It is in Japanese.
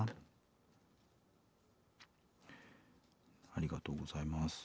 ありがとうございます。